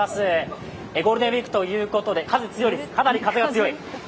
ゴールデンウイークということで風強いです、かなり風が強い。